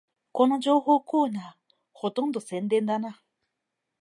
この情報コーナー、ほとんど宣伝だな